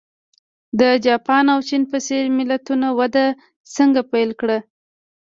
د جاپان او چین په څېر ملتونو وده څنګه پیل کړه.